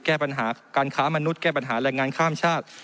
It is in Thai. แก้ปัญหาการค้ามนุษย์แก้ปัญหาแรงงานข้ามชาติ